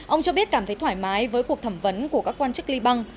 ông cho biết cảm thấy thoải mái với cuộc thẩm vấn của các quan chức liban